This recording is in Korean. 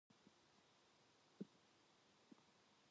마주앉은 사람의 얼굴이 보이지 않을 만치나 어둔 뒤에야 취조가 끝이 났다.